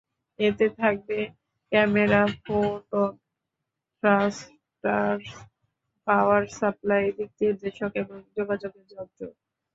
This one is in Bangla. এতে থাকবে camera, photon thrusters, power supply, দিকনির্দেশক এবং যোগাযোগের যন্ত্র।